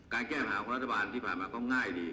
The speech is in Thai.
การแก้ภาคอรัฐบาลที่ผ่านมาก็ง่ายดี